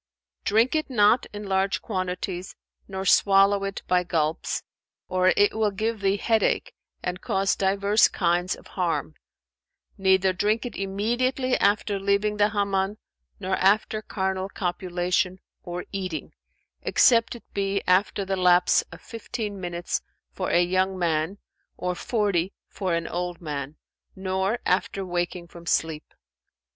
"Drink it not in large quantities nor swallow it by gulps, or it will give thee head ache and cause divers kinds of harm; neither drink it immediately after leaving the Hammam nor after carnal copulation or eating (except it be after the lapse of fifteen minutes for a young man and forty for an old man), nor after waking from sleep."